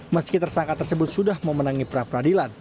meski tersangka tersebut sudah memenangi pra peradilan